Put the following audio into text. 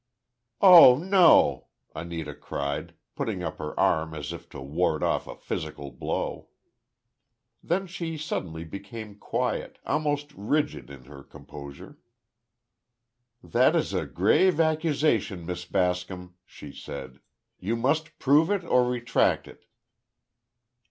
"Oh, no!" Anita cried, putting up her arm as if to ward off a physical blow. Then she suddenly became quiet—almost rigid in her composure. "That is a grave accusation, Miss Bascom," she said, "you must prove it or retract it."